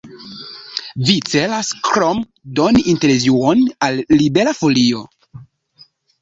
Vi celas krom doni intervjuon al Libera Folio?